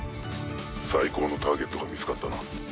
最高のターゲットが見つかったな。